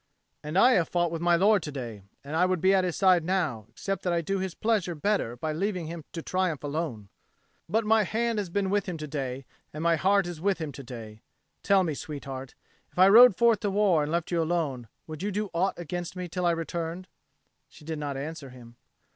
"And I have fought with my lord to day, and I would be at his side now, except that I do his pleasure better by leaving him to triumph alone. But my hand has been with him to day, and my heart is with him to day. Tell me, sweetheart, if I rode forth to war and left you alone, would you do aught against me till I returned?" She did not answer him.